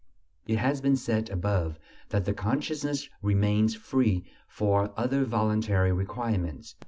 It has been said above that the consciousness remains free for other voluntary requirements.